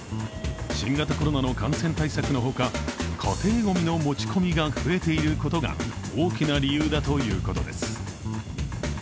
新型コロナの感染対策のほか家庭ごみの持ち込みが増えていることが大きな理由だということです。